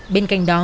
bên cạnh đó